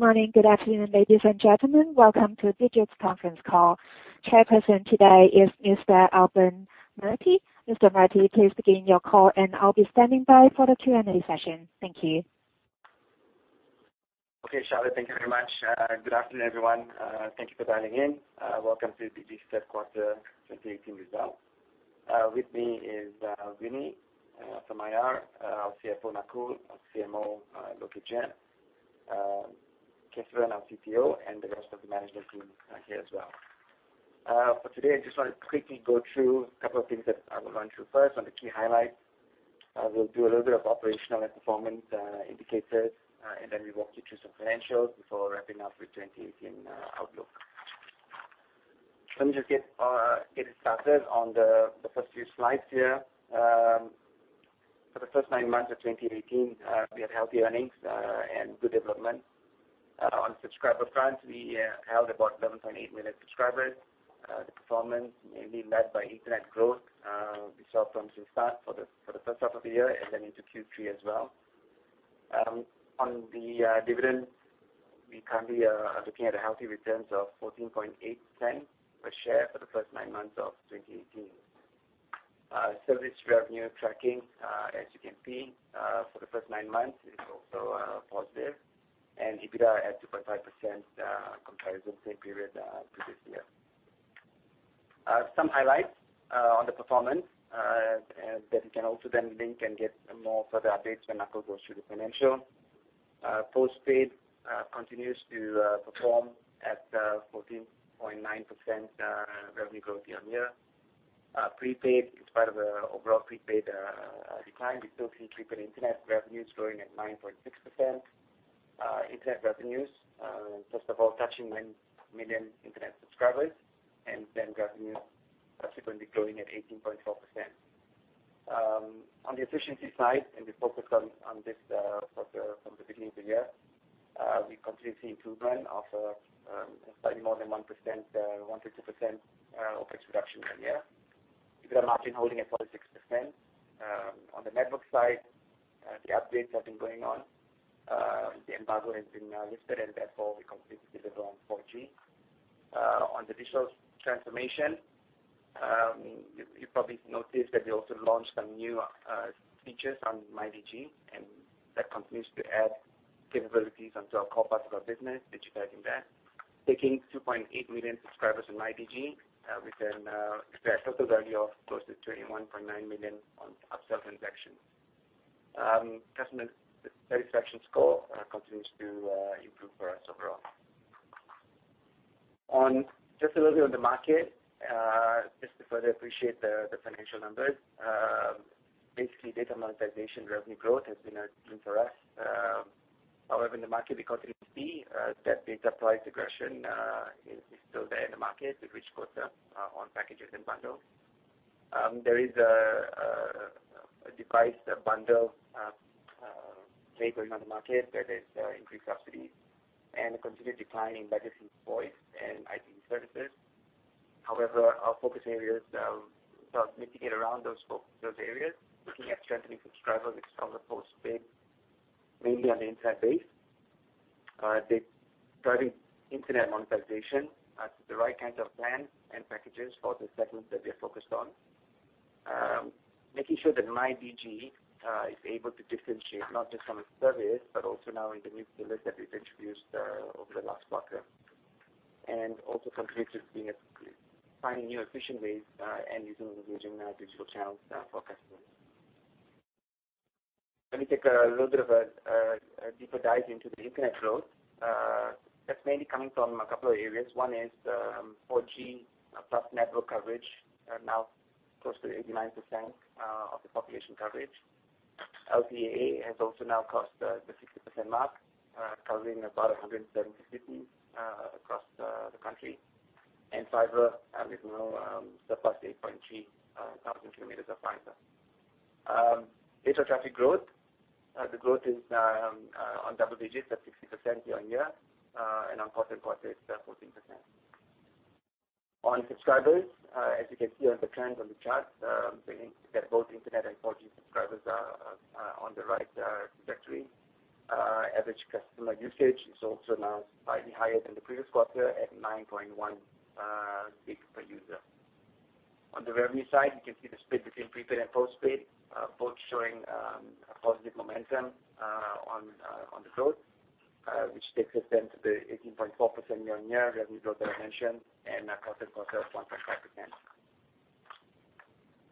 Good morning. Good afternoon, ladies and gentlemen. Welcome to Digi's conference call. Chairperson today is Mr. Albern Murty. Mr. Murty, please begin your call and I'll be standing by for the Q&A session. Thank you. Okay, Charlotte, thank you very much. Good afternoon, everyone. Thank you for dialing in. Welcome to Digi's third quarter 2018 result. With me is Winnie, from IR, our CFO, Nakul, our CMO, Loh Keh Jiat, Kesavan, our CTO, and the rest of the management team are here as well. For today, I just want to quickly go through a couple of things that I will run through first on the key highlights. We'll do a little bit of operational and performance indicators, and then we'll walk you through some financials before wrapping up with 2018 outlook. Let me just get started on the first few slides here. For the first nine months of 2018, we had healthy earnings and good development. On subscriber front, we held about 11.8 million subscribers. The performance mainly led by Internet growth we saw from the start for the first half of the year and then into Q3 as well. On the dividend, we currently are looking at a healthy returns of 0.148 per share for the first nine months of 2018. Service revenue tracking, as you can see, for the first nine months is also positive and EBITDA at 2.5% comparison same period previous year. Some highlights on the performance, that you can also then link and get more further updates when Nakul goes through the financial. Postpaid continues to perform at 14.9% revenue growth year-on-year. Prepaid, in spite of the overall prepaid decline, we still see prepaid Internet revenues growing at 9.6%. Internet revenues, first of all, touching 9 million Internet subscribers and then revenues subsequently growing at 18.4%. On the efficiency side, we focused on this from the beginning of the year, we continue seeing improvement of slightly more than 1%-2% OpEx reduction year-on-year. EBITDA margin holding at 46%. On the network side, the updates have been going on. The embargo has been lifted and therefore we complete the roll on 4G. On the digital transformation, you probably noticed that we also launched some new features on MyDigi and that continues to add capabilities onto our core parts of our business, digitizing that. Taking 2.8 million subscribers on MyDigi, with a total value of close to 21.9 million on upsell transactions. Customer satisfaction score continues to improve for us overall. Just a little bit on the market, just to further appreciate the financial numbers. Data monetization revenue growth has been a win for us. However, in the market, we continue to see that data price aggression is still there in the market with rich quota on packages and bundles. There is a device bundle favoring on the market that is increased subsidy and a continued decline in legacy voice and IDD services. However, our focus areas help mitigate around those areas. Looking at strengthening subscribers, especially postpaid, mainly on the Internet base. They're driving Internet monetization at the right kinds of plans and packages for the segments that we are focused on. Making sure that MyDigi is able to differentiate not just from a service, but also now in the list that we've introduced over the last quarter, and also contributes to finding new efficient ways and using our digital channels for customers. Let me take a little bit of a deeper dive into the Internet growth. That's mainly coming from a couple of areas. One is 4G, plus network coverage are now close to 89% of the population coverage. LTE-A has also now crossed the 60% mark, covering about 170 cities across the country. Fiber, as you know, surpassed 8.3 thousand kilometers of fiber. Data traffic growth. The growth is on double digits at 60% year-on-year, and on quarter-on-quarter it's 14%. On subscribers, as you can see on the trends on the chart, bringing both Internet and 4G subscribers are on the right trajectory. Average customer usage is also now slightly higher than the previous quarter at 9.1 GB per user. On the revenue side, you can see the split between prepaid and postpaid, both showing a positive momentum on the growth, which takes us then to the 18.4% year-on-year revenue growth that I mentioned and quarter-on-quarter of 1.5%.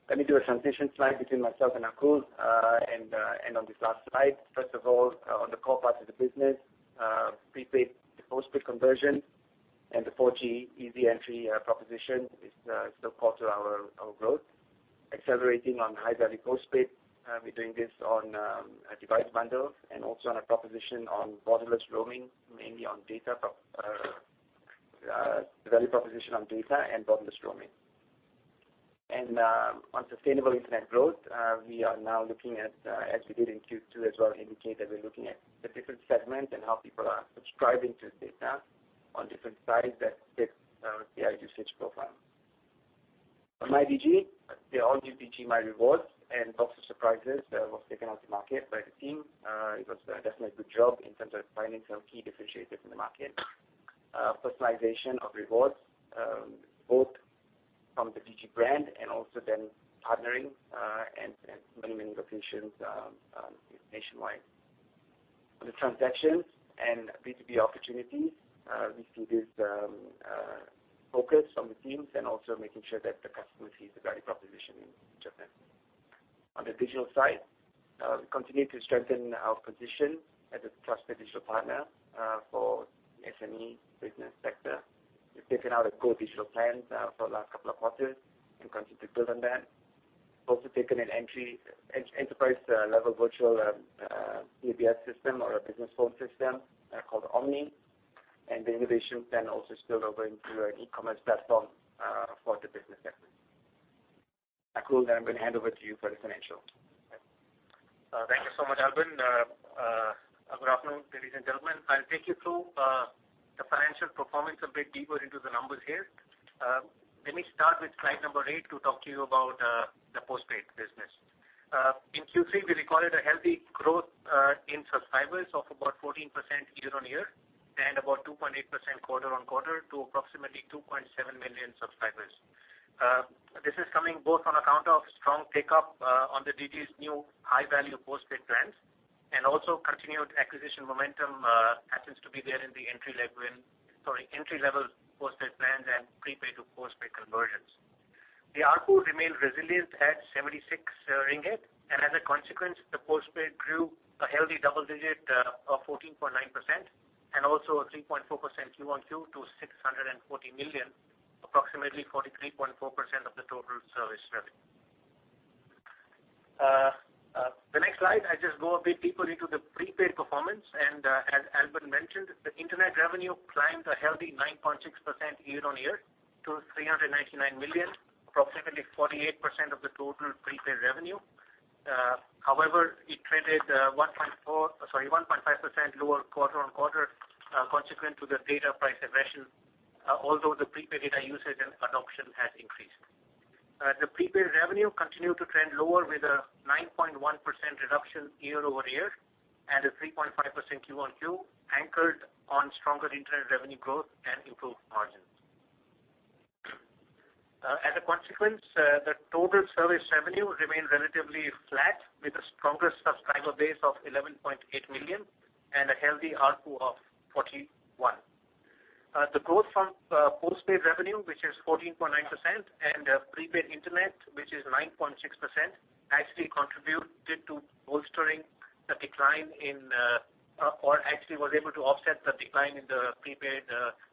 Let me do a transition slide between myself and Nakul. On this last slide, first of all, on the core parts of the business, prepaid to postpaid conversion and the 4G easy entry proposition is still core to our growth. Accelerating on high value postpaid. We're doing this on a device bundle and also on a proposition on borderless roaming, mainly on data, the value proposition on data and borderless roaming. On sustainable Internet growth, we are now looking at, as we did in Q2 as well, indicate that we're looking at the different segments and how people are subscribing to data on different sides that fit the usage profile. On MyDigi, the all-new MyDigi Rewards and Box of Surprise was taken out to market by the team. It was definitely a good job in terms of finding some key differentiators in the market. Personalization of rewards, both from the Digi brand and also then partnering and many locations nationwide. On the transactions and B2B opportunities, we see this focus from the teams and also making sure that the customer sees the value proposition in each of them. On the digital side, we continue to strengthen our position as a trusted digital partner for SME business sector. We've taken out a core digital plan for the last couple of quarters and continue to build on that. Also taken an enterprise-level virtual PBX system or a business phone system called Omni, the innovation plan also spilled over into an e-commerce platform for the business segment. Nakul, I'm going to hand over to you for the financials. Thank you so much, Albern. Good afternoon, ladies and gentlemen. I'll take you through the financial performance a bit deeper into the numbers here. Let me start with slide number eight to talk to you about the postpaid business. In Q3, we recorded a healthy growth in subscribers of about 14% year-on-year and about 2.8% quarter-on-quarter to approximately 2.7 million subscribers. This is coming both on account of strong pickup on the Digi's new high-value postpaid plans and also continued acquisition momentum happens to be there in the entry-level postpaid plans and prepaid to postpaid conversions. The ARPU remained resilient at 76 ringgit and as a consequence, the postpaid grew a healthy double-digit of 14.9% and also a 3.4% QoQ to 640 million, approximately 43.4% of the total service revenue. The next slide, I just go a bit deeper into the prepaid performance and as Albern mentioned, the internet revenue climbed a healthy 9.6% year-on-year to 399 million, approximately 48% of the total prepaid revenue. However, it traded 1.5% lower quarter-on-quarter, consequent to the data price revision, although the prepaid data usage and adoption has increased. The prepaid revenue continued to trend lower with a 9.1% reduction year-over-year and a 3.5% QoQ, anchored on stronger internet revenue growth and improved margins. As a consequence, the total service revenue remained relatively flat with a stronger subscriber base of 11.8 million and a healthy ARPU of 41. The growth from postpaid revenue, which is 14.9%, and prepaid internet, which is 9.6%, actually contributed to bolstering the decline in, or actually was able to offset the decline in the prepaid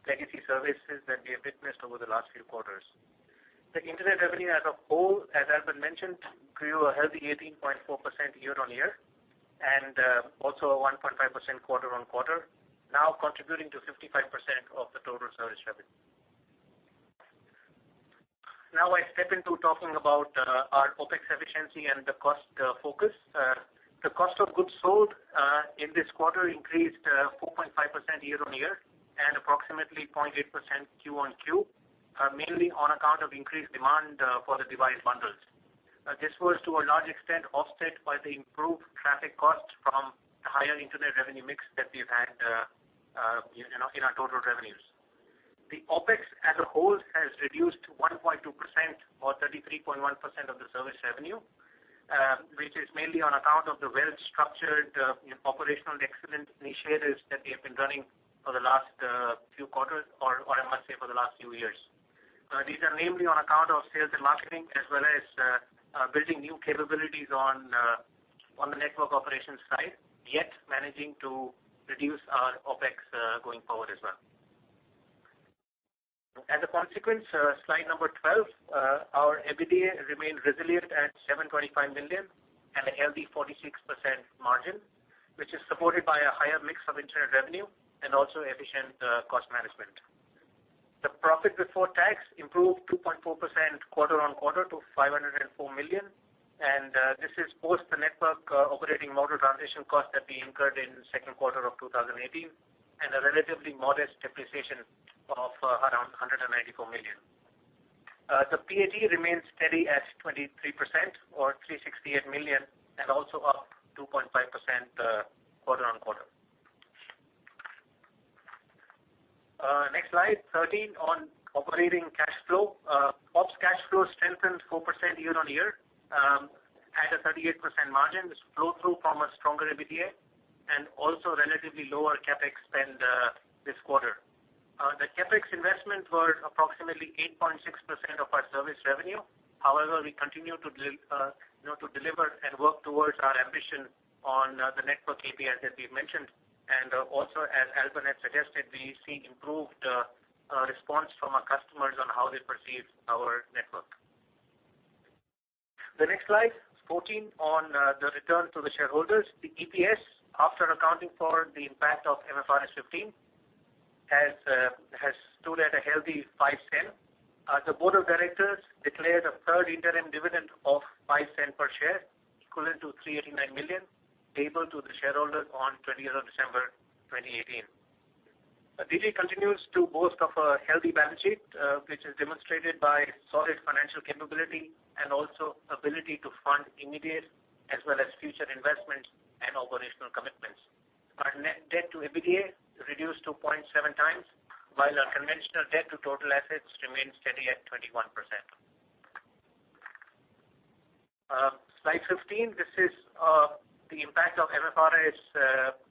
legacy services that we have witnessed over the last few quarters. The internet revenue as a whole, as Albern mentioned, grew a healthy 18.4% year-on-year and also a 1.5% quarter-on-quarter, now contributing to 55% of the total service revenue. I step into talking about our OpEx efficiency and the cost focus. The cost of goods sold in this quarter increased 4.5% year-on-year and approximately 0.8% QoQ, mainly on account of increased demand for the device bundles. This was to a large extent offset by the improved traffic costs from the higher internet revenue mix that we've had in our total revenues. The OpEx as a whole has reduced to 1.2% or 33.1% of the service revenue, which is mainly on account of the well-structured operational excellence initiatives that we have been running for the last few quarters or I must say, for the last few years. These are mainly on account of sales and marketing, as well as building new capabilities on the network operations side, yet managing to reduce our OpEx going forward as well. As a consequence, slide number 12, our EBITDA remained resilient at 725 million and a healthy 46% margin, which is supported by a higher mix of internet revenue and also efficient cost management. The profit before tax improved 2.4% quarter-on-quarter to 504 million, and this is post the network operating model transition cost that we incurred in the second quarter of 2018 and a relatively modest depreciation of around 194 million. The PAT remains steady at 23% or 368 million and also up 2.5% quarter-on-quarter. Next slide, 13 on operating cash flow. Ops cash flow strengthened 4% year-on-year at a 38% margin. This flow through from a stronger EBITDA and also relatively lower CapEx spend this quarter. The CapEx investment was approximately 8.6% of our service revenue. However, we continue to deliver and work towards our ambition on the network KPI that we've mentioned. Also as Albern has suggested, we see improved response from our customers on how they perceive our network. The next slide, 14 on the return to the shareholders. The EPS after accounting for the impact of MFRS 15 has stood at a healthy 0.05. The board of directors declared a third interim dividend of 0.05 per share, equivalent to 389 million, payable to the shareholder on 20th of December 2018. Digi continues to boast of a healthy balance sheet, which is demonstrated by solid financial capability and also ability to fund immediate as well as future investments and operational commitments. Our net debt to EBITDA reduced to 0.7 times, while our conventional debt to total assets remains steady at 21%. Slide 15. This is the impact of MFRS 15.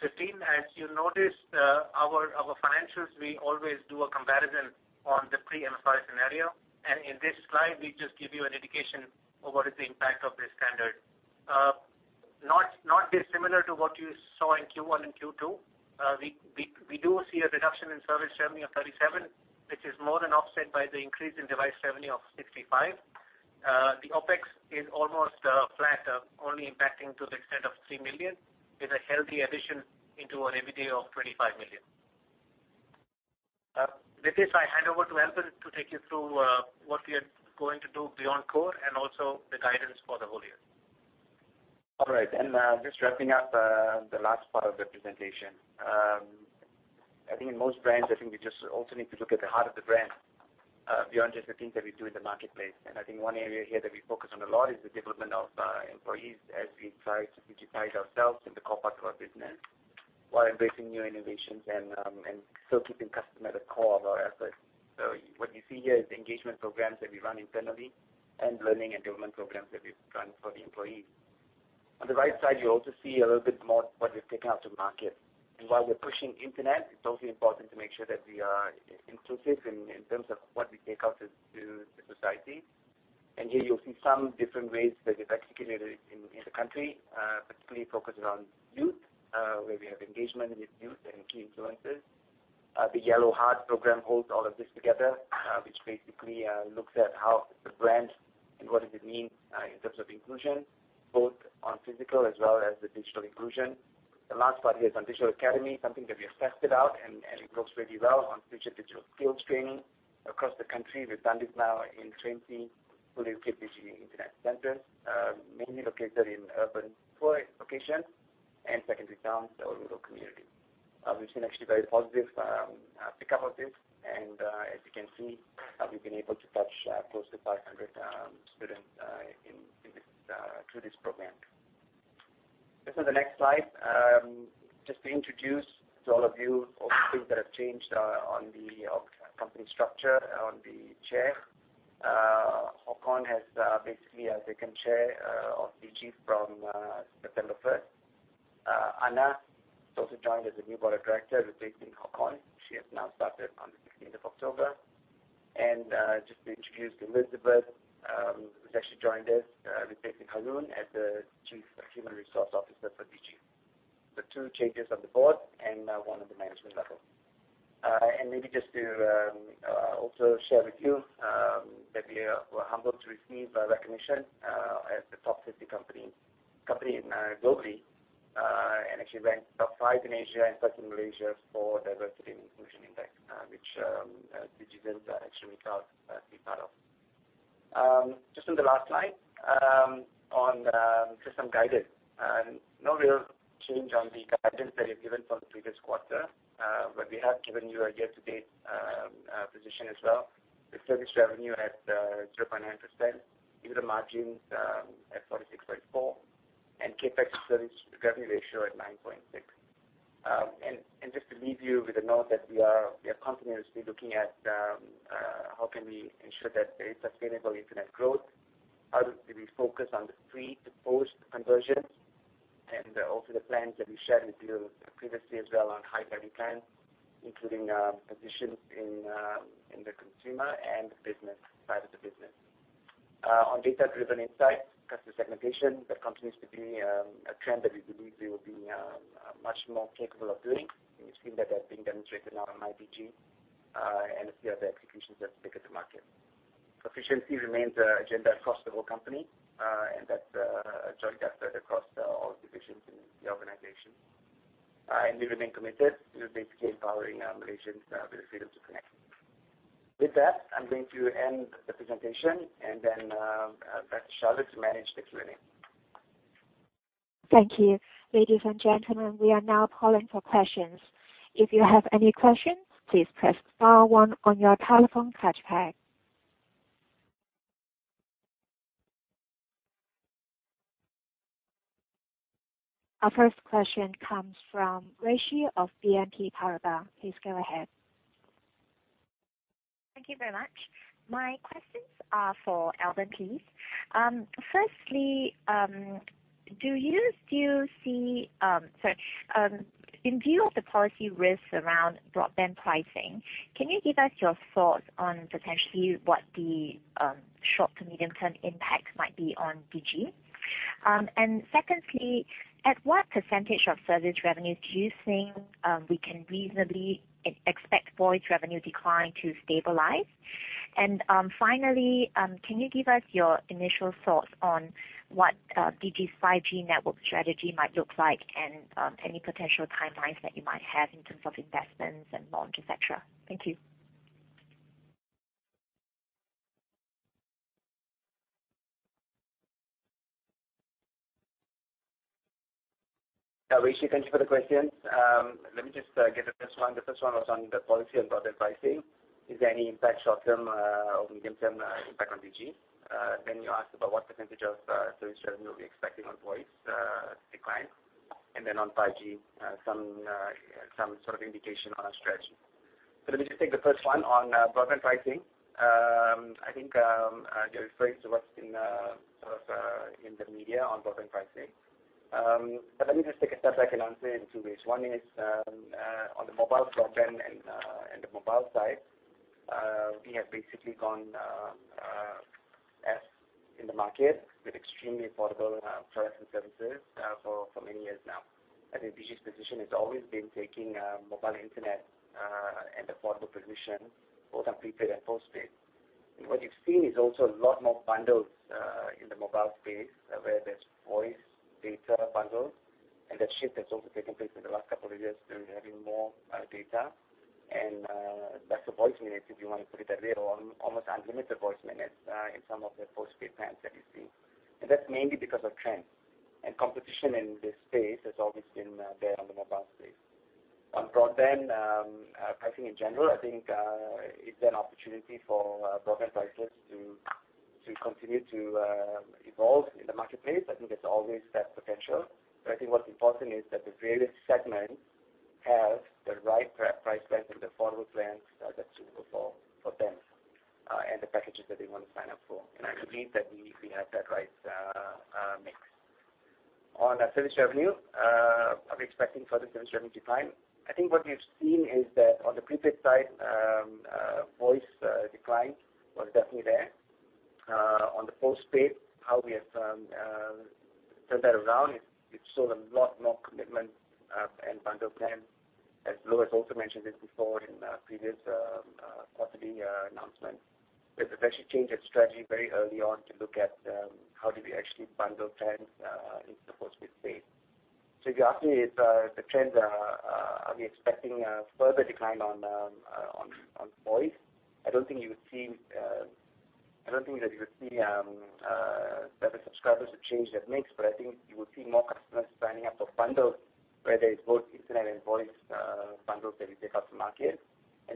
As you notice, our financials, we always do a comparison on the pre-MFRS scenario, and in this slide, we just give you an indication of what is the impact of this standard. Not dissimilar to what you saw in Q1 and Q2, we do see a reduction in service revenue of 37 million, which is more than offset by the increase in device revenue of 65 million. The OpEx is almost flat, only impacting to the extent of 3 million, with a healthy addition into our EBITDA of 25 million. With this, I hand over to Albern to take you through what we are going to do beyond core and also the guidance for the whole year. Just wrapping up the last part of the presentation. I think in most brands, I think we just also need to look at the heart of the brand, beyond just the things that we do in the marketplace. I think one area here that we focus on a lot is the development of employees as we try to digitize ourselves in the core part of our business, while embracing new innovations and still keeping customer the core of our efforts. So what you see here is the engagement programs that we run internally and learning and development programs that we've run for the employees. On the right side, you also see a little bit more what we've taken out to market. While we're pushing internet, it's also important to make sure that we are inclusive in terms of what we take out to the society. Here you'll see some different ways that we've articulated in the country, particularly focusing on youth, where we have engagement with youth and key influencers. The Yellow Heart Program holds all of this together, which basically looks at how the brand and what does it mean in terms of inclusion, both on physical as well as the digital inclusion. The last part here is on Digi Academy, something that we have tested out, and it goes really well on future digital skills training across the country. We've done this now in 20 fully equipped Digi Internet centers, mainly located in urban poor locations and secondary towns or rural community. We've seen actually very positive pickup of this, and as you can see, we've been able to touch close to 500 students through this program. Let's go to the next slide. Just to introduce to all of you all the things that have changed on the company structure on the chair. Håkon has basically as second chair of Digi from September 1st. Anna has also joined as a new Board of Director replacing Håkon. She has now started on the 16th of October. Just to introduce Elisabeth, who has actually joined us, replacing Haroon as the Chief Human Resource Officer for Digi. The two changes on the board and one at the management level. Maybe just to also share with you that we were humbled to receive recognition as the top 50 company globally, and actually ranked top five in Asia and first in Malaysia for diversity and inclusion impact, which Digizens are actually proud to be part of. Just on the last slide, on just some guidance. No real change on the guidance that is given from the previous quarter, we have given you a year-to-date position as well. The service revenue at 0.9%, EBITDA margins at 46.4%, and CapEx to service revenue ratio at 9.6%. Just to leave you with a note that we are continuously looking at how can we ensure that there is sustainable internet growth, how do we focus on the pre-to-post conversions, and also the plans that we shared with you previously as well on high-value plans, including positions in the consumer and the business side of the business. On data-driven insights, customer segmentation, that continues to be a trend that we believe we will be much more capable of doing. You can see that that's being demonstrated now in MyDigi and a few other executions that speak at the market. Proficiency remains an agenda across the whole company, that's a joint effort across all divisions in the organization. We remain committed to basically empowering Malaysians with the freedom to connect. With that, I'm going to end the presentation and then back to Charlotte to manage the Q&A. Thank you. Ladies and gentlemen, we are now calling for questions. If you have any questions, please press star one on your telephone keypad. Our first question comes from Gracie of BNP Paribas. Please go ahead. Thank you very much. My questions are for Albern, please. Firstly, in view of the policy risks around broadband pricing, can you give us your thoughts on potentially what the short to medium-term impact might be on Digi? Secondly, at what % of service revenues do you think we can reasonably expect voice revenue decline to stabilize? Finally, can you give us your initial thoughts on what Digi's 5G network strategy might look like and any potential timelines that you might have in terms of investments and launch, et cetera? Thank you. Now, Gracie, thank you for the questions. Let me just get the first one. The first one was on the policy on broadband pricing. Is there any impact short term or medium term impact on Digi? You asked about what % of service revenue we're expecting on voice decline, and on 5G, some sort of indication on our strategy. Let me just take the first one on broadband pricing. I think you're referring to what's in the media on broadband pricing. Let me just take a step back and answer in two ways. One is, on the mobile broadband and the mobile side, we have basically gone as in the market with extremely affordable products and services for many years now. I think Digi's position has always been taking mobile internet and affordable positions, both on prepaid and postpaid. What you've seen is also a lot more bundles in the mobile space, where there's voice data bundles, and that shift has also taken place in the last couple of years. We're having more data and lesser voice minutes, if you want to put it that way, or almost unlimited voice minutes, in some of the postpaid plans that you see. That's mainly because of trends and competition in this space has always been there on the mobile space. On broadband pricing in general, I think it's an opportunity for broadband prices to continue to evolve in the marketplace. I think there's always that potential, but I think what's important is that the various segments have the right price plans and the affordable plans that suit their needs for them, and the packages that they want to sign up for. I believe that we have that right mix. On service revenue, are we expecting further service revenue decline? I think what we've seen is that on the prepaid side, voice decline was definitely there. On the postpaid, how we have turned that around, it's shown a lot more commitment, and bundle plan. As Lewis also mentioned this before in previous quarterly announcements, that we've actually changed that strategy very early on to look at how do we actually bundle plans, in the postpaid space. If you ask me if the trends are we expecting a further decline on voice? I don't think that you would see the subscribers to change that mix, but I think you would see more customers signing up for bundles where there is both internet and voice bundles that we take out to market.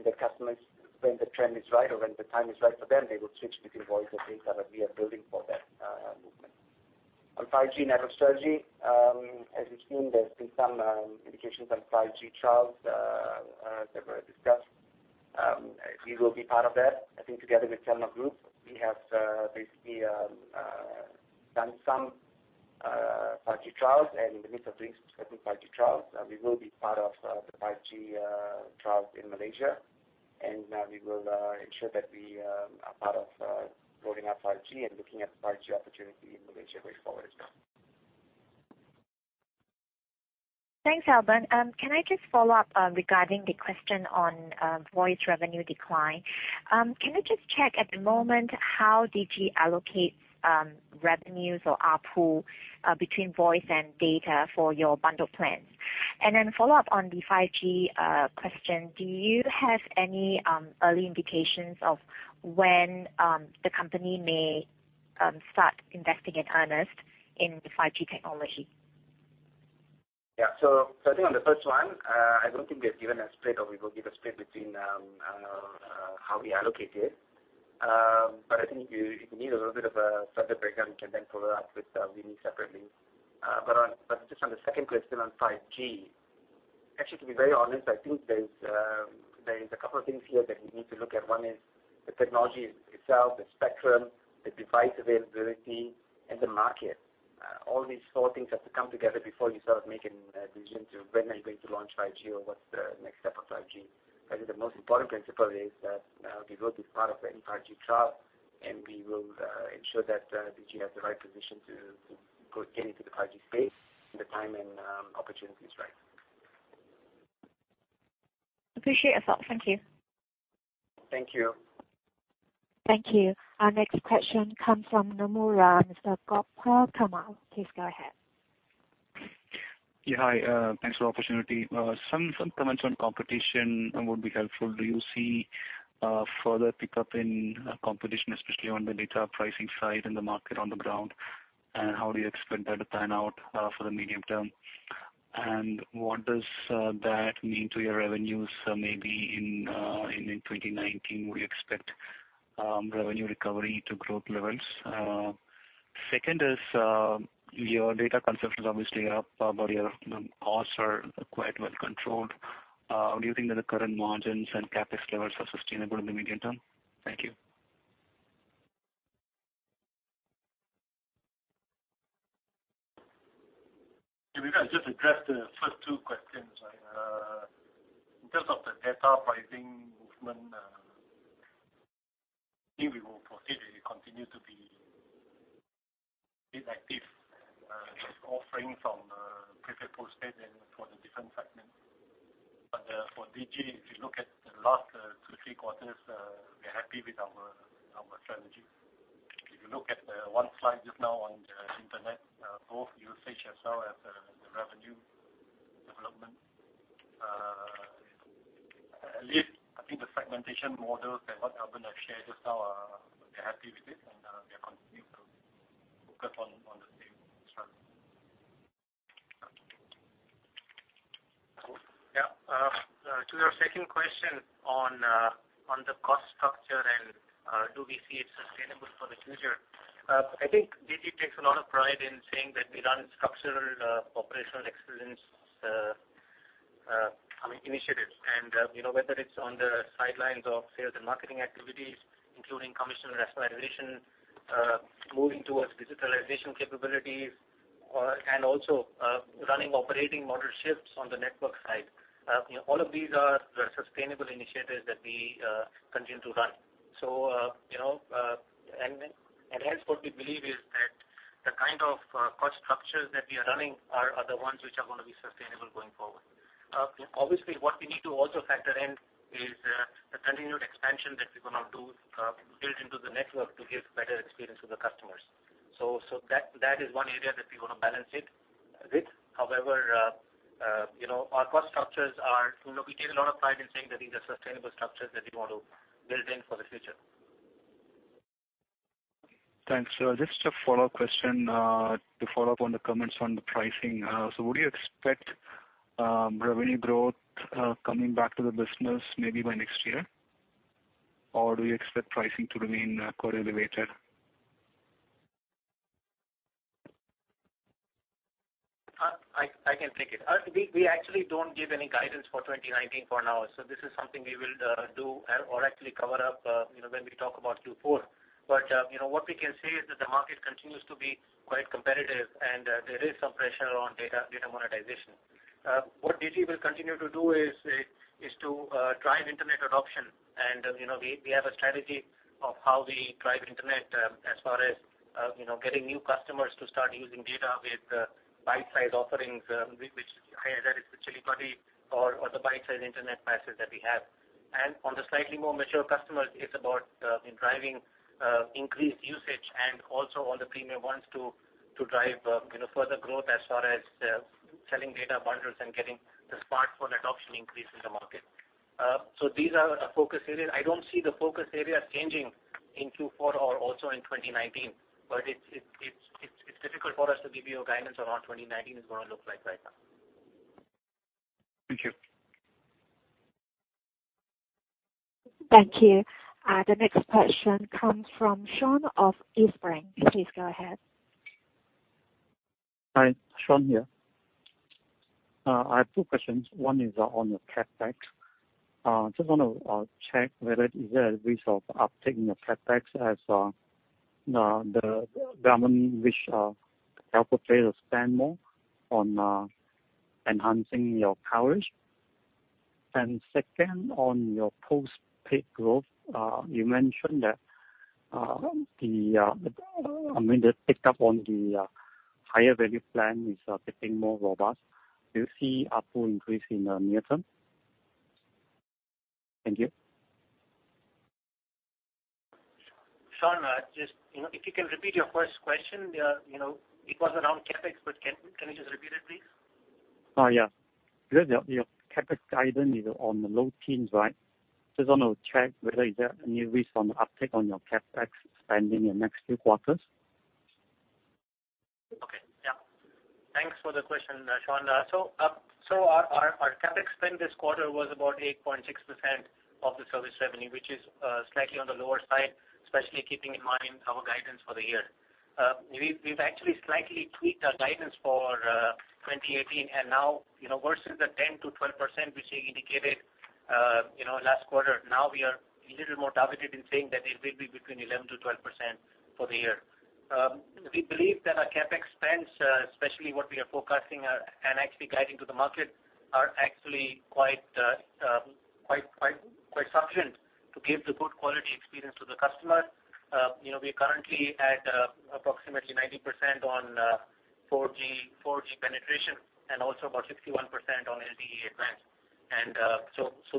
The customers, when the trend is right or when the time is right for them, they will switch between voice or data, that we are building for that movement. On 5G network strategy, as you've seen, there's been some indications on 5G trials that were discussed. We will be part of that. I think together with Telenor Group, we have basically done some 5G trials, and in the midst of doing specific 5G trials, we will be part of the 5G trials in Malaysia. We will ensure that we are part of rolling out 5G and looking at the 5G opportunity in Malaysia way forward as well. Thanks, Albern. Can I just follow up regarding the question on voice revenue decline? Can you just check at the moment how Digi allocates revenues or ARPU between voice and data for your bundle plans? Follow up on the 5G question, do you have any early indications of when the company may start investing in earnest in 5G technology? I think on the first one, I don't think we have given a split or we will give a split between how we allocate it. I think if you need a little bit of a further breakdown, we can then follow up with Winnie separately. Just on the second question on 5G, actually, to be very honest, I think there is a couple of things here that we need to look at. One is the technology itself, the spectrum, the device availability, and the market. All these four things have to come together before you start making decisions of when are you going to launch 5G or what's the next step of 5G. I think the most important principle is that we will be part of any 5G trial and we will ensure that Digi has the right position to gain into the 5G space when the time and opportunity is right. Appreciate your thought. Thank you. Thank you. Thank you. Our next question comes from Nomura, Mr. Gokul Kamal. Please go ahead. Yeah. Hi, thanks for the opportunity. Some comments on competition would be helpful. Do you see a further pickup in competition, especially on the data pricing side and the market on the ground? How do you expect that to pan out for the medium term? What does that mean to your revenues maybe in 2019? We expect revenue recovery to growth levels. Second is, your data consumption is obviously up, but your costs are quite well controlled. Do you think that the current margins and CapEx levels are sustainable in the medium term? Thank you. Maybe I'll just address the first two questions. In terms of the data pricing movement, I think we will proceed and continue to be active in offering from prepaid, postpaid, and for the different segments. For Digi, if you look at the last two, three quarters, we're happy with our strategy. If you look at the one slide just now on the internet, both usage as well as the revenue. At least, I think the segmentation models and what Albern has shared just now, we're happy with it, and we are continuing to focus on the same strategy. Yeah. To your second question on the cost structure and do we see it sustainable for the future, I think Digi takes a lot of pride in saying that we run structural operational excellence initiatives. Whether it's on the sidelines of sales and marketing activities, including commission rationalization, moving towards digitalization capabilities, and also running operating model shifts on the network side. All of these are sustainable initiatives that we continue to run. Hence, what we believe is that the kind of cost structures that we are running are the ones which are going to be sustainable going forward. Obviously, what we need to also factor in is the continued expansion that we're going to do, build into the network to give better experience to the customers. That is one area that we're going to balance it with. We take a lot of pride in saying that these are sustainable structures that we want to build in for the future. Thanks. Just a follow-up question, to follow up on the comments on the pricing. Would you expect revenue growth coming back to the business maybe by next year? Or do you expect pricing to remain correlated? I can take it. We actually don't give any guidance for 2019 for now. This is something we will do or actually cover up when we talk about Q4. What we can say is that the market continues to be quite competitive, and there is some pressure on data monetization. What Digi will continue to do is to drive internet adoption. We have a strategy of how we drive internet as far as getting new customers to start using data with bite-size offerings, which either is the Cili Padi or the bite-size internet passes that we have. On the slightly more mature customers, it's about driving increased usage and also on the premium ones to drive further growth as far as selling data bundles and getting the smartphone adoption increase in the market. These are our focus areas. I don't see the focus areas changing in Q4 or also in 2019. It's difficult for us to give you a guidance on how 2019 is going to look like right now. Thank you. Thank you. The next question comes from Sean of Spring. Please go ahead. Hi, Sean here. I have two questions. One is on your CapEx. Just want to check whether is there a risk of uptake in your CapEx as the government wish to help the players spend more on enhancing your coverage? Second, on your postpaid growth, you mentioned that the immediate pickup on the higher value plan is getting more robust. Do you see ARPU increase in the near term? Thank you. Sean, if you can repeat your first question. It was around CapEx, can you just repeat it, please? Yeah. Because your CapEx guidance is on the low teens, right? Just want to check whether is there any risk on the uptake on your CapEx spend in the next few quarters. Okay. Thanks for the question, Sean. Our CapEx spend this quarter was about 8.6% of the service revenue, which is slightly on the lower side, especially keeping in mind our guidance for the year. We've actually slightly tweaked our guidance for 2018, and now versus the 10%-12% which we indicated last quarter, now we are a little more targeted in saying that it will be between 11%-12% for the year. We believe that our CapEx spends, especially what we are forecasting and actually guiding to the market, are actually quite sufficient to give the good quality experience to the customer. We are currently at approximately 90% on 4G penetration and also about 61% on LTE-Advanced.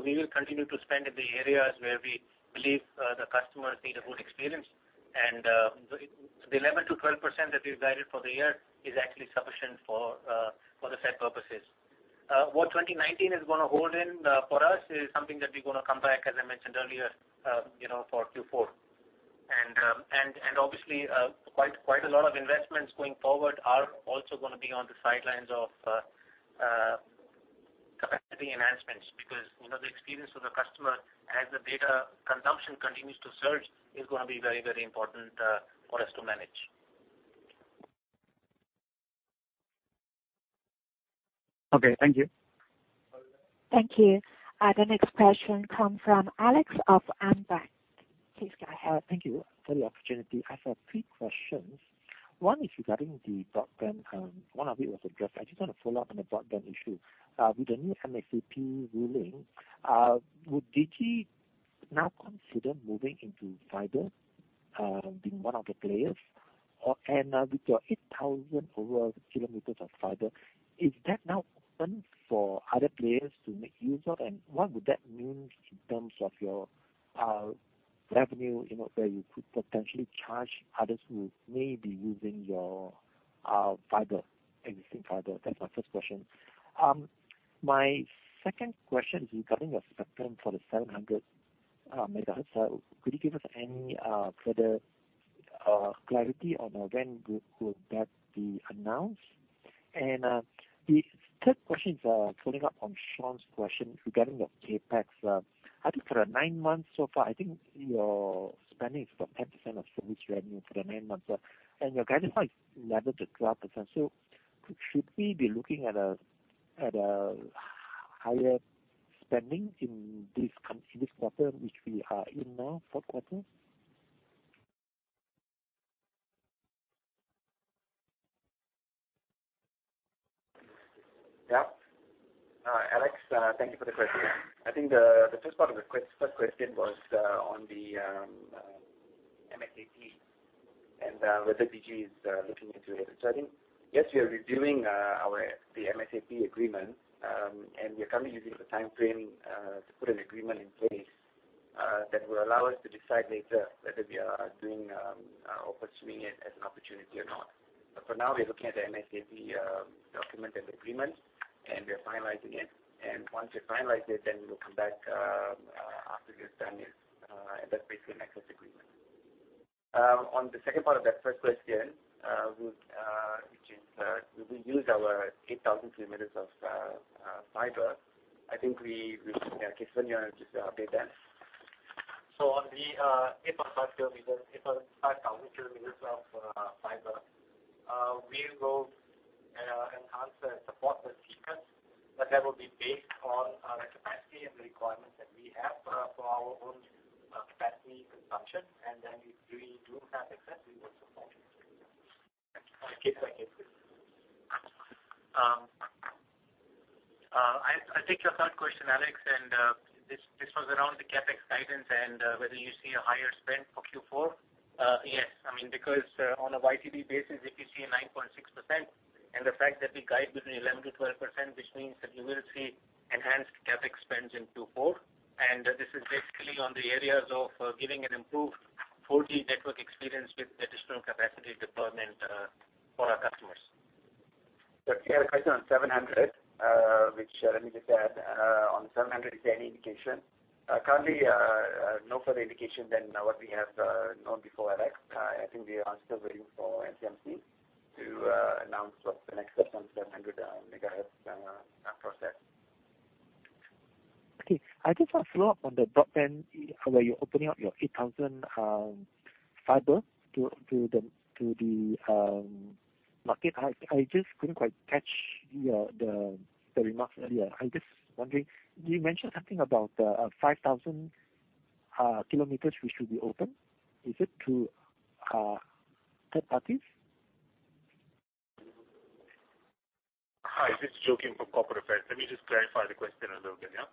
We will continue to spend in the areas where we believe the customers need a good experience. The 11%-12% that we've guided for the year is actually sufficient for the said purposes. What 2019 is going to hold in for us is something that we're going to come back, as I mentioned earlier, for Q4. Obviously, quite a lot of investments going forward are also going to be on the sidelines of capacity enhancements, because the experience of the customer as the data consumption continues to surge is going to be very important for us to manage. Okay. Thank you. Thank you. The next question come from Alex of AmBank. Please go ahead. Thank you for the opportunity. I have three questions. One is regarding the broadband. One of it was addressed. I just want to follow up on the broadband issue. With the new MSAP ruling, would Digi now consider moving into fiber, being one of the players? With your 8,000 over kilometers of fiber, is that now open for other players to make use of? What would that mean in terms of your revenue, where you could potentially charge others who may be using your existing fiber. That's my first question. My second question is regarding your spectrum for the 700 MHz. Could you give us any further clarity on when that will be announced? The third question is following up on Sean's question regarding your CapEx. I think for the nine months so far, I think your spending is about 10% of service revenue for the nine months, your guidance was 11%-12%. Should we be looking at a higher spending in this quarter, which we are in now, fourth quarter? Alex, thank you for the question. I think the first part of the first question was on the MSAP and whether Digi is looking into it. I think, yes, we are reviewing the MSAP agreement, we are currently using the timeframe to put an agreement in place that will allow us to decide later whether we are doing or pursuing it as an opportunity or not. For now, we're looking at the MSAP document and agreement, we are finalizing it. Once we finalize it, we will come back after we've done it, that's basically an access agreement. On the second part of that first question, which is, would we use our 8,000 kilometers of fiber? Kesavan, you want to just update that? On the 8,000 kilometers of fiber, we will enhance and support the seekers, that will be based on the capacity and the requirements that we have for our own capacity consumption. If we do have excess, we will support. On a case by case basis. I'll take your third question, Alex, this was around the CapEx guidance and whether you see a higher spend for Q4. Yes, because on a YTD basis, if you see a 9.6% and the fact that we guide between 11% to 12%, which means that you will see enhanced CapEx spends in Q4. This is basically on the areas of giving an improved 4G network experience with additional capacity deployment for our customers. The clear question on 700, which let me just add on 700, is there any indication? Currently, no further indication than what we have known before, Alex. I think we are still waiting for MCMC to announce what the next steps on 700 MHz are processed. Okay. I just want to follow up on the broadband, where you're opening up your 8,000 fiber to the market. I just couldn't quite catch the remarks earlier. I'm just wondering, you mentioned something about 5,000 kilometers which will be open. Is it to third parties? Hi, this is Joachim from Corporate Affairs. Let me just clarify the question a little bit, yeah?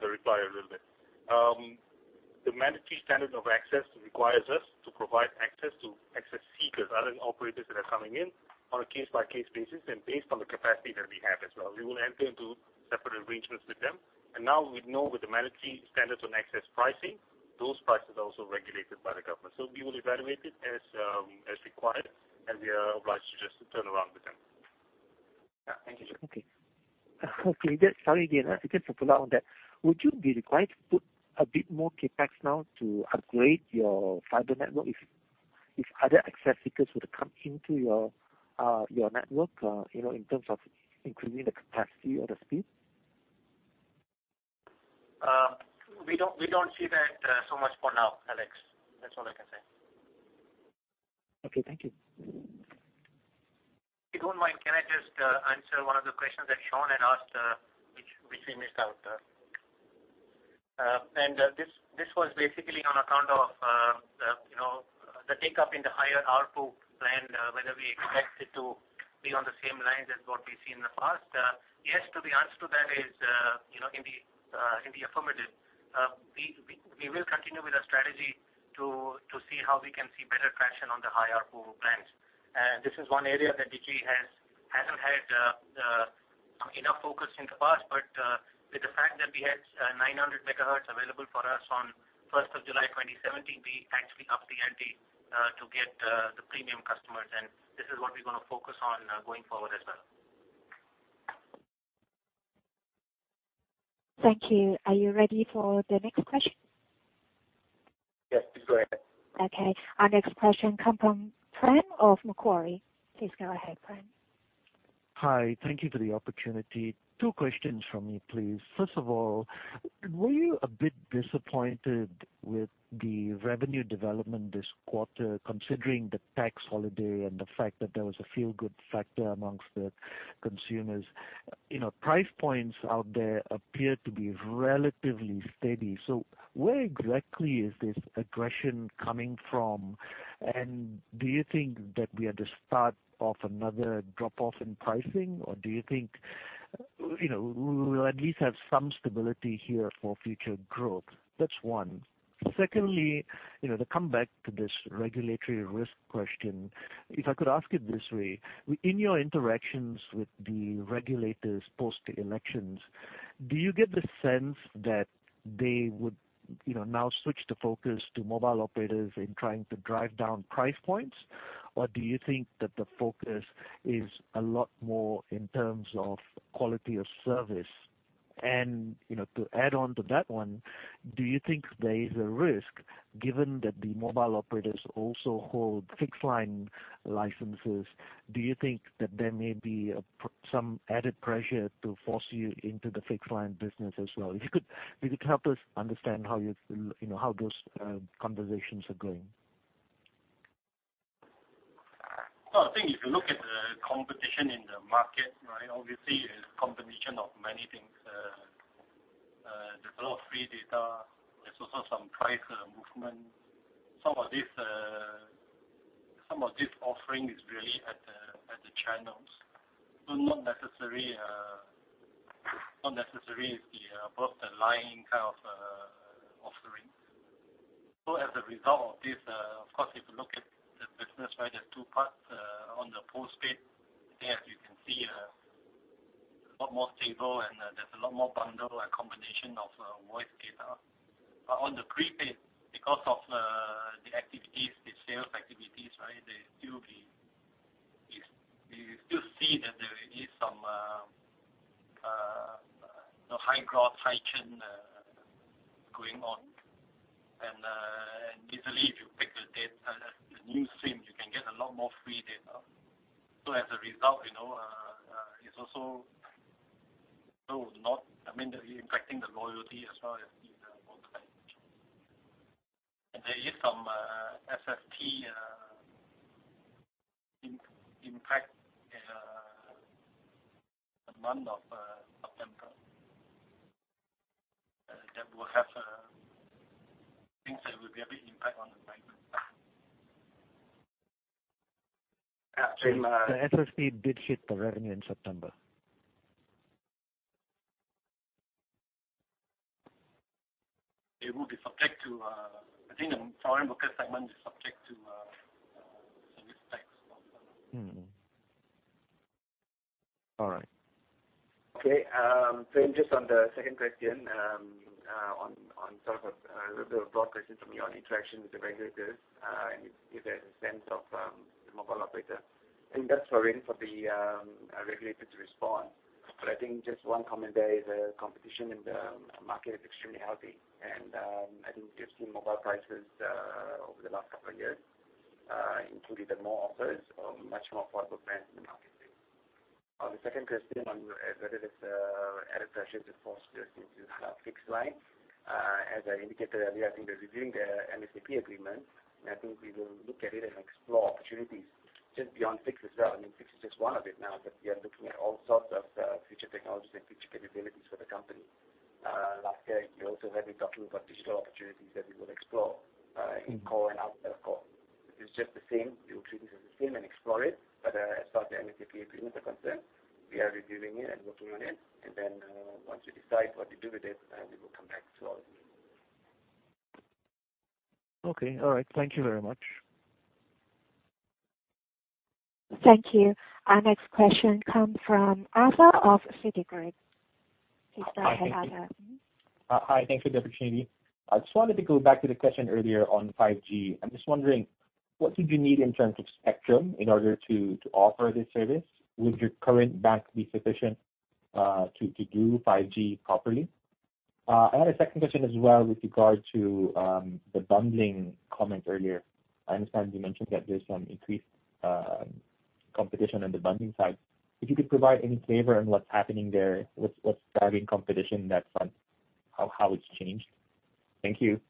The reply a little bit. The mandatory standard of access requires us to provide access to access seekers, other than operators that are coming in, on a case-by-case basis and based on the capacity that we have as well. We will enter into separate arrangements with them. Now we know with the Mandatory Standard on Access Pricing, those prices are also regulated by the government. We will evaluate it as required, and we are obliged to just turn around with them. Yeah. Thank you, Alex. Okay. Sorry again, just to follow on that. Would you be required to put a bit more CapEx now to upgrade your fiber network if other access seekers were to come into your network, in terms of increasing the capacity or the speed? We don't see that so much for now, Alex. That's all I can say. Okay, thank you. If you don't mind, can I just answer one of the questions that Sean had asked, which we missed out? This was basically on account of the take-up in the higher ARPU plan, whether we expect it to be on the same lines as what we see in the past. Yes, the answer to that is in the affirmative. We will continue with our strategy to see how we can see better traction on the higher ARPU plans. This is one area that Digi hasn't had enough focus in the past. With the fact that we had 900 MHz available for us on 1st of July 2017, we actually up the ante to get the premium customers, and this is what we're going to focus on going forward as well. Thank you. Are you ready for the next question? Yes, please go ahead. Okay. Our next question come from Fran of Macquarie. Please go ahead, Fran. Hi. Thank you for the opportunity. 2 questions from me, please. First of all, were you a bit disappointed with the revenue development this quarter, considering the tax holiday and the fact that there was a feel-good factor amongst the consumers? Price points out there appear to be relatively steady. Where exactly is this aggression coming from? Do you think that we are at the start of another drop-off in pricing, or do you think we'll at least have some stability here for future growth? That's one. Secondly, to come back to this regulatory risk question, if I could ask it this way. In your interactions with the regulators post-elections? Do you get the sense that they would now switch the focus to mobile operators in trying to drive down price points? Do you think that the focus is a lot more in terms of quality of service? To add on to that one, do you think there is a risk, given that the mobile operators also hold fixed-line licenses? Do you think that there may be some added pressure to force you into the fixed-line business as well? If you could help us understand how those conversations are going. Well, I think if you look at the competition in the market, obviously, it's a combination of many things. There's a lot of free data. There's also some price movements. Some of this offering is really at the channels. Not necessary is the above-the-line kind of offering. As a result of this, of course, if you look at the business, there's 2 parts. On the postpaid, there, as you can see, a lot more stable and there's a lot more bundle and combination of voice data. On the prepaid, because of the sales activities, we still see that there is some high growth, high churn going on. Easily, if you pick the new SIM, you can get a lot more free data. As a result, it's also not immediately impacting the loyalty as well as the wallet management. There is some SST impact in the month of September that we think will have a big impact on the revenue. The SST did hit the revenue in September. It will be subject to I think the foreign worker segment is subject to service tax as well. All right. Just on the second question, on sort of a little broad question from you on interaction with the regulators, and if there's a sense of the mobile operator. I think that's for the regulators to respond. I think just one comment there is competition in the market is extremely healthy. I think you've seen mobile prices over the last couple of years, including the more offers or much more affordable plans in the market. On the second question on whether there's added pressure to force us into fixed line. As I indicated earlier, I think we're reviewing the MSAP agreement, and I think we will look at it and explore opportunities just beyond fixed as well. I mean, fixed is just one of it now, but we are looking at all sorts of future technologies and future capabilities for the company. Last year, you also heard me talking about digital opportunities that we will explore in core and out of core. It is just the same. We will treat it as the same and explore it. As far as the MSAP agreement are concerned, we are reviewing it and working on it. Once we decide what to do with it, we will come back to all of you. Okay. All right. Thank you very much. Thank you. Our next question comes from Arthur of Citigroup. Please go ahead, Arthur. Hi. Thank you for the opportunity. I just wanted to go back to the question earlier on 5G. I am just wondering, what would you need in terms of spectrum in order to offer this service? Would your current band be sufficient to do 5G properly? I had a second question as well with regard to the bundling comment earlier. I understand you mentioned that there is some increased competition on the bundling side. If you could provide any flavor on what is happening there, what is driving competition on that front, how it has changed. Thank you.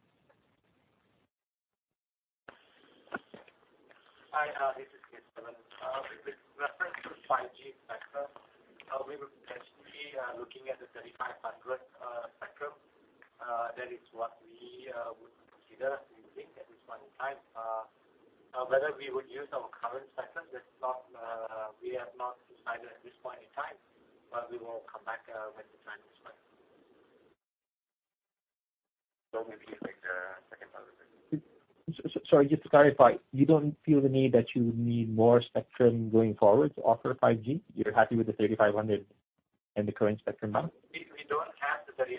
Hi, this is Kesavan. With reference to 5G spectrum, we would actually be looking at the 3500 spectrum. That is what we would consider using at this point in time. Whether we would use our current spectrum, we have not decided at this point in time, but we will come back when the time is right. Maybe you take the second part of it. Sorry, just to clarify, you do not feel the need that you would need more spectrum going forward to offer 5G? You are happy with the 3500 and the current spectrum band? We don't have the 3500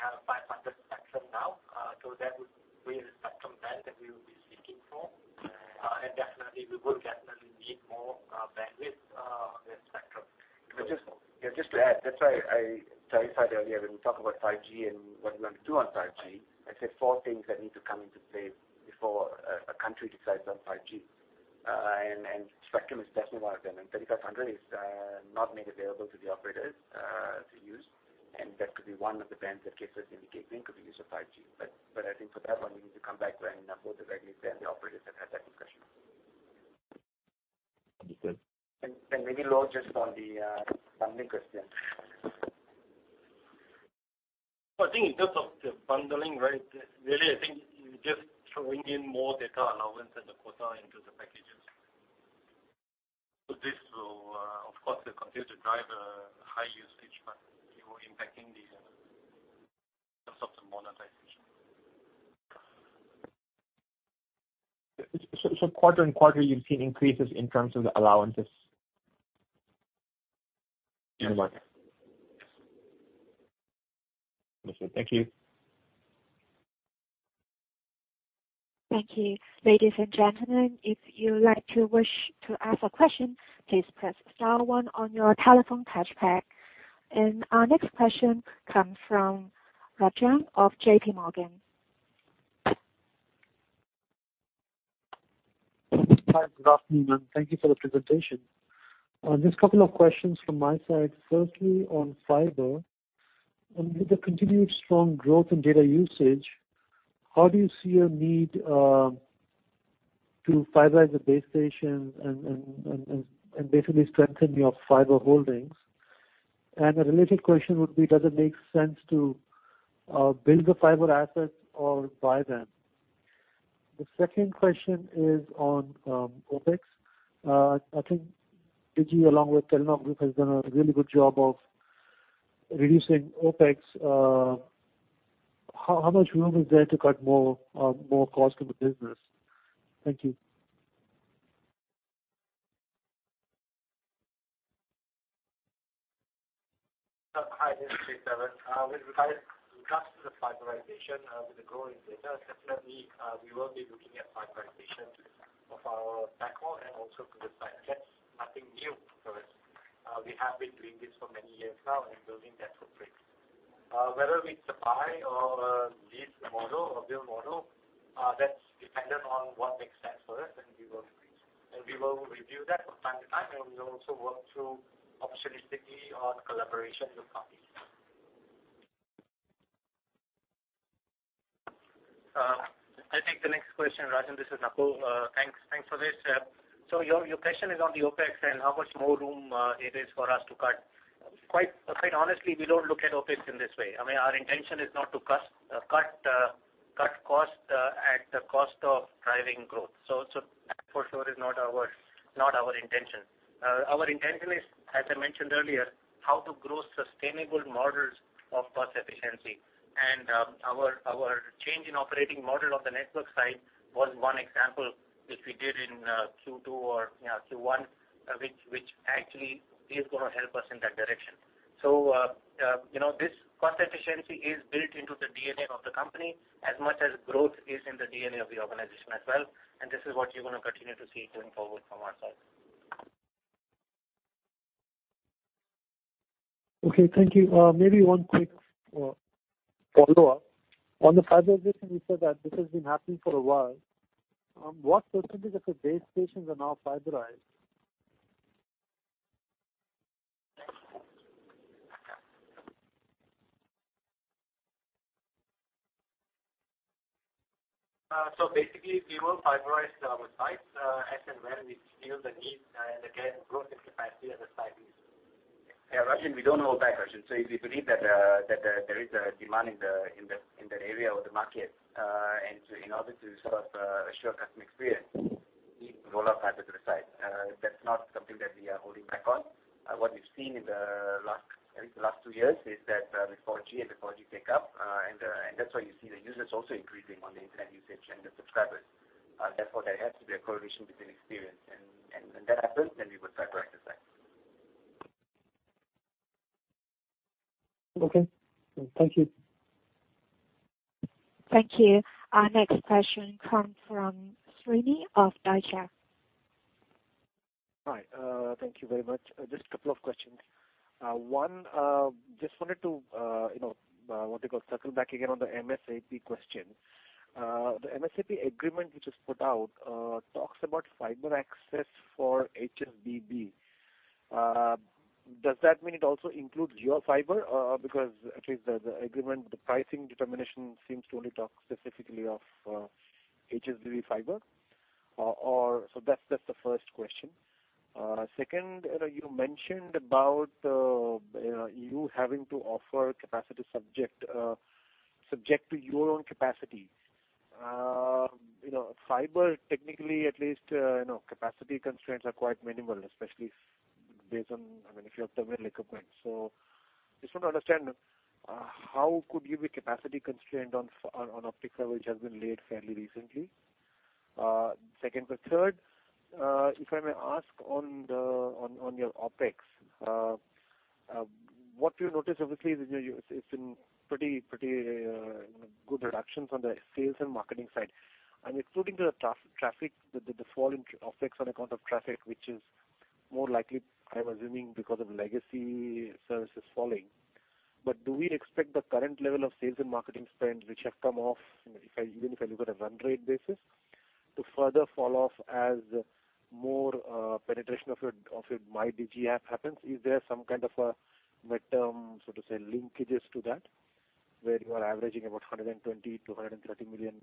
spectrum now. That would be the spectrum band that we will be seeking for. Definitely, we would definitely need more bandwidth on the spectrum. Just to add, that's why I clarified earlier when we talk about 5G and what we want to do on 5G. I said four things that need to come into play before a country decides on 5G. Spectrum is definitely one of them, and 3500 is not made available to the operators to use, and that could be one of the bands that Kesavan's indicating could be used for 5G. I think for that one, we need to come back when both the regulators and the operators have had that discussion. Understood. Maybe Lo, just on the bundling question. I think in terms of the bundling, really, I think you're just throwing in more data allowance and the quota into the packages. This will, of course, continue to drive high usage, but you're impacting the subs on a monthly Quarter-on-quarter, you've seen increases in terms of the allowances? Yeah. Understood. Thank you. Thank you. Ladies and gentlemen, if you wish to ask a question, please press star one on your telephone touch pad. Our next question comes from Rajan of JP Morgan. Hi, good afternoon, and thank you for the presentation. Just a couple of questions from my side. Firstly, on fiber. With the continued strong growth in data usage, how do you see a need to fiberize the base stations and basically strengthen your fiber holdings? A related question would be, does it make sense to build the fiber assets or buy them? The second question is on OpEx. I think Digi, along with Telenor Group, has done a really good job of reducing OpEx. How much room is there to cut more cost in the business? Thank you. Hi, this is Kesavan. With regards to the fiberization, with the growing data, definitely, we will be looking at fiberization of our backbone and also to the site. That is nothing new for us. We have been doing this for many years now and building that footprint. Whether we buy or lease the model or build model, that is dependent on what makes sense for us, and we will review that from time to time, and we will also work through opportunistically on collaboration with companies. I will take the next question, Rajan. This is Nakul. Thanks for this. Your question is on the OpEx and how much more room it is for us to cut. Quite honestly, we do not look at OpEx in this way. I mean, our intention is not to cut cost at the cost of driving growth. That for sure is not our intention. Our intention is, as I mentioned earlier, how to grow sustainable models of cost efficiency. Our change in operating model of the network side was one example, which we did in Q2 or Q1, which actually is going to help us in that direction. This cost efficiency is built into the DNA of the company as much as growth is in the DNA of the organization as well, and this is what you are going to continue to see going forward from our side. Okay, thank you. Maybe one quick follow-up. On the fiberization, you said that this has been happening for a while. What % of the base stations are now fiberized? Basically, we will fiberize our sites, as and when we feel the need and, again, growth in capacity as the site is. Yeah, Rajan, we don't hold back, Rajan. If we believe that there is a demand in that area or the market, and in order to sort of assure customer experience, we roll out fiber to the site. That's not something that we are holding back on. What we've seen in the last two years is that with 4G and the 4G take-up, and that's why you see the users also increasing on the internet usage and the subscribers. Therefore, there has to be a correlation between experience. When that happens, then we would fiberize the site. Okay. Thank you. Thank you. Our next question comes from Srini of Deutsche. Hi. Thank you very much. Just a couple of questions. One, just wanted to, what do you call, circle back again on the MSAP question. The MSAP agreement which is put out talks about fiber access for HSBB. Does that mean it also includes your fiber? Because at least the agreement, the pricing determination seems to only talk specifically of HSBB fiber. That's the first question. Second, you mentioned about you having to offer capacity subject to your own capacity. Fiber, technically, at least capacity constraints are quite minimal, especially based on if you have terminal equipment. Just want to understand, how could you be capacity constrained on optical which has been laid fairly recently? Second, the third, if I may ask on your OpEx. What you notice, obviously, is it's been pretty good reductions on the sales and marketing side. Excluding the traffic, the fall in OpEx on account of traffic, which is more likely, I am assuming, because of legacy services falling. Do we expect the current level of sales and marketing spend, which have come off, even if I look at a run rate basis, to further fall off as more penetration of your MyDigi app happens? Is there some kind of a midterm, so to say, linkages to that, where you are averaging about 120 million to MYR 130 million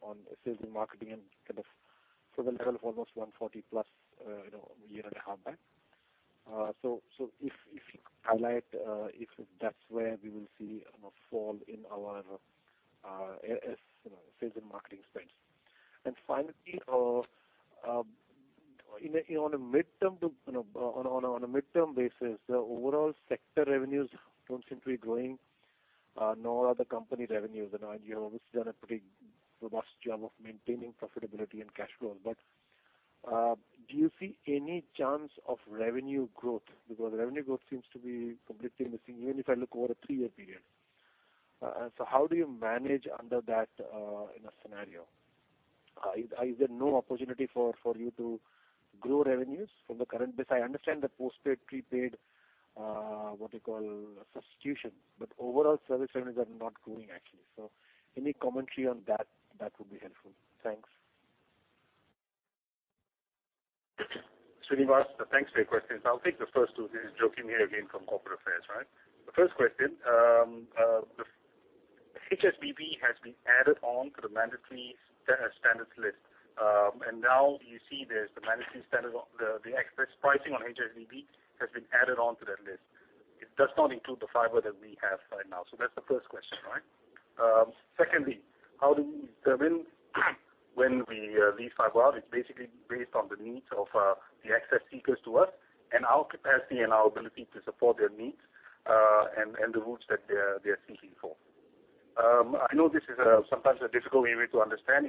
on sales and marketing and kind of from the level of almost 140 plus a year and a half back? If you could highlight if that's where we will see a fall in our sales and marketing spends. Finally, on a midterm basis, the overall sector revenues do not seem to be growing, nor are the company revenues. You have obviously done a pretty robust job of maintaining profitability and cash flow. Do you see any chance of revenue growth? Because revenue growth seems to be completely missing, even if I look over a 3-year period. So how do you manage under that scenario? Is there no opportunity for you to grow revenues from the current base? I understand the postpaid, prepaid substitution, but overall service revenues are not growing, actually. Any commentary on that would be helpful. Thanks. Srinivas, thanks for your questions. I will take the first two. It is Joachim here again from corporate affairs. The first question, HSBB has been added on to the mandatory standards list. Now you see there is the access pricing on HSBB has been added on to that list. It does not include the fiber that we have right now. So that's the first question. Secondly, how do we determine when we lease fiber out? It's basically based on the needs of the access seekers to us and our capacity and our ability to support their needs, and the routes that they are seeking for. I know this is sometimes a difficult way to understand.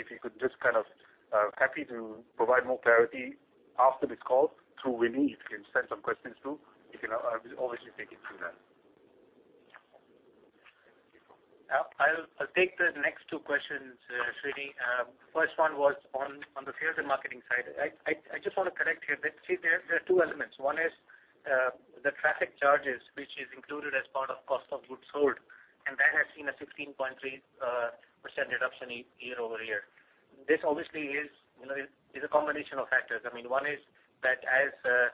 Happy to provide more clarity after this call through Winnie. If you can send some questions through, we can obviously take it through that. I will take the next two questions, Srini. First one was on the sales and marketing side. I just want to correct here that, see, there are two elements. One is the traffic charges, which is included as part of cost of goods sold, and that has seen a 16.3% reduction year-over-year. This obviously is a combination of factors. One is that as the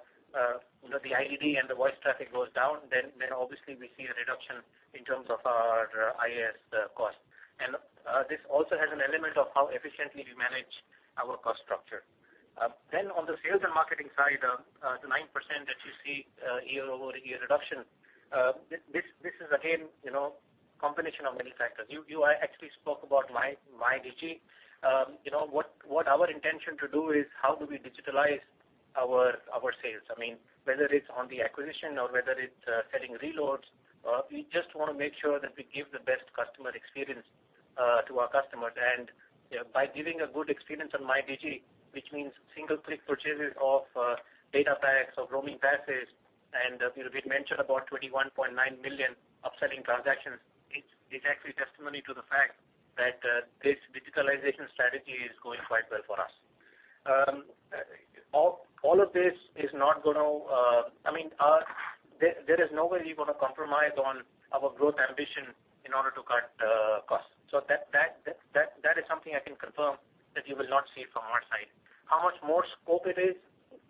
IDD and the voice traffic goes down, then obviously we see a reduction in terms of our IC cost. This also has an element of how efficiently we manage our cost structure. Then on the sales and marketing side, the 9% that you see year-over-year reduction, this is again, combination of many factors. You actually spoke about MyDigi. What our intention to do is how do we digitalize our sales. Whether it's on the acquisition or whether it's selling reloads, we just want to make sure that we give the best customer experience to our customers. By giving a good experience on MyDigi, which means single-click purchases of data packs or roaming passes, and we mentioned about 21.9 million upselling transactions, it's actually testimony to the fact that this digitalization strategy is going quite well for us. There is no way we're going to compromise on our growth ambition in order to cut costs. That is something I can confirm that you will not see from our side. How much more scope it is,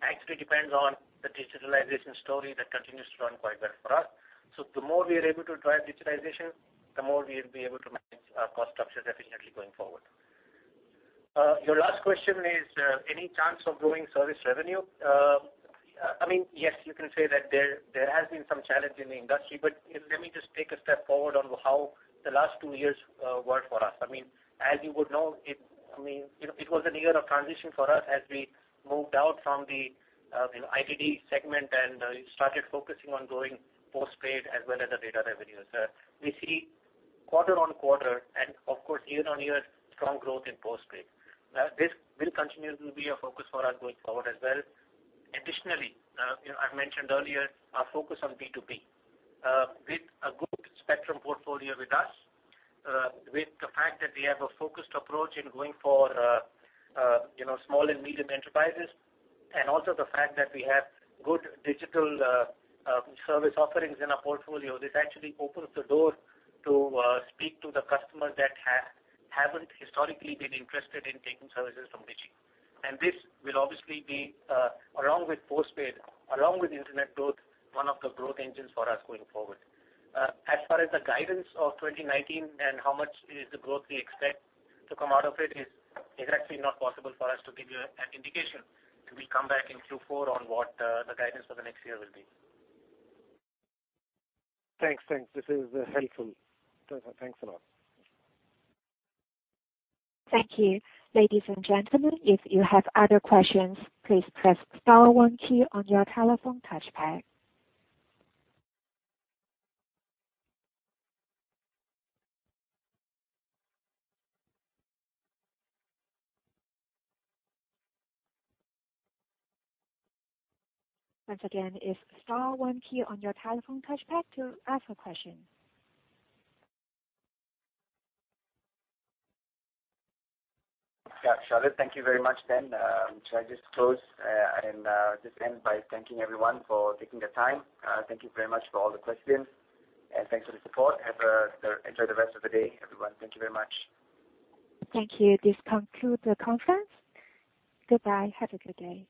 actually depends on the digitalization story that continues to run quite well for us. The more we are able to drive digitalization, the more we'll be able to manage our cost structure efficiently going forward. Your last question is, any chance of growing service revenue? Yes, you can say that there has been some challenge in the industry, let me just take a step forward on how the last two years worked for us. As you would know, it was a year of transition for us as we moved out from the IDD segment and started focusing on growing postpaid as well as the data revenues. We see quarter-on-quarter and, of course, year-on-year, strong growth in postpaid. This will continue to be a focus for us going forward as well. Additionally, I've mentioned earlier, our focus on B2B. With a good spectrum portfolio with us, with the fact that we have a focused approach in going for small and medium enterprises, and also the fact that we have good digital service offerings in our portfolio, this actually opens the door to speak to the customers that haven't historically been interested in taking services from Digi. This will obviously be, along with postpaid, along with internet growth, one of the growth engines for us going forward. As far as the guidance of 2019 and how much is the growth we expect to come out of it is actually not possible for us to give you an indication. We'll come back in Q4 on what the guidance for the next year will be. Thanks. This is helpful. Thanks a lot. Thank you. Ladies and gentlemen, if you have other questions, please press star one key on your telephone touchpad. Once again, it's star one key on your telephone touchpad to ask a question. Yeah, Charlotte, thank you very much then. Shall I just close and just end by thanking everyone for taking the time. Thank you very much for all the questions, and thanks for the support. Enjoy the rest of the day, everyone. Thank you very much. Thank you. This concludes the conference. Goodbye. Have a good day.